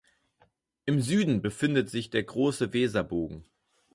Im Süden befindet sich der Große Weserbogen.